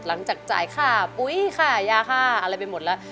หลังจากจ่ายค่าปุ๊ยค่ายาค่าอะไรไปหมดแล้ว